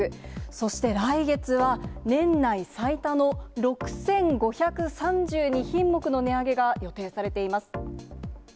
そして来月は、年内最多の６５３２品目の値上げが予定されています。